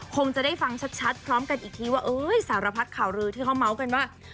คงจะได้ฟังชัดพร้อมกันอีกทีว่าเอ้ยสารพัดข่าวรือที่เขาเมาส์กันว่า